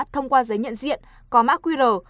thông qua giấy nhận diện có mã qr